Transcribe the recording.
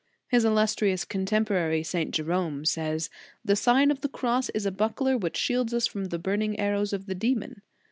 "* His illustrious contemporary, St. Jerome, says: "The Sign of the Cross is a buckler which shields us from the burning arrows of the demon.